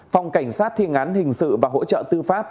phòng cảnh sát thiên án hình sự và hỗ trợ tư pháp